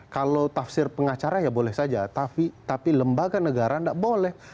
kalau tafsir pengacara ya boleh saja tapi lembaga negara tidak boleh